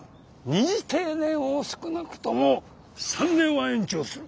二次定年を少なくとも３年は延長する。